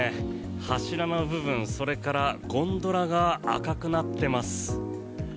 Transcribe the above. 柱の部分、それからゴンドラが赤くなっています。